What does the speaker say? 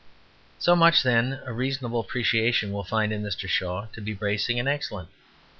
So much then a reasonable appreciation will find in Mr. Shaw to be bracing and excellent.